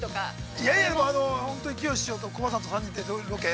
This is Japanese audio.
◆いやいや、本当にきよし師匠とコバさんと３人でのロケ。